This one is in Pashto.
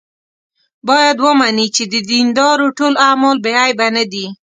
باید ومني چې د دیندارو ټول اعمال بې عیبه نه دي.